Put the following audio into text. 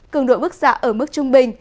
cường độ bức xạ ở mức trung bình